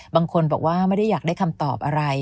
บางคนบอกว่าไม่ได้อยากได้คำตอบอะไร